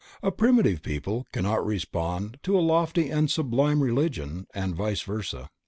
A primitive people cannot respond to a lofty and sublime religion, and vice versa.